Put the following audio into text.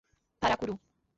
Paracuru